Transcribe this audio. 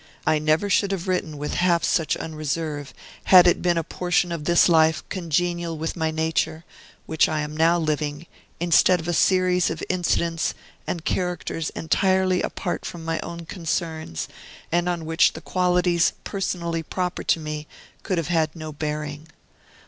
I never should have written with half such unreserve, had it been a portion of this life congenial with my nature, which I am living now, instead of a series of incidents and characters entirely apart from my own concerns, and on which the qualities personally proper to me could have had no bearing.